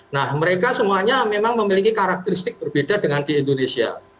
nah mereka semuanya memang memiliki karakteristik berbeda dengan di indonesia